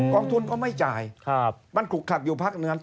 กองทุนเขาไม่จ่ายมันขุกขักอยู่ภาคเมือง